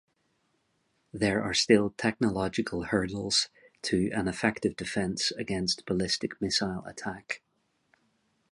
There are still technological hurdles to an effective defense against ballistic missile attack.